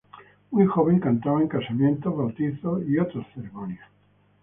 Muy joven cantaba en casamientos, bautizos y otras ceremonias.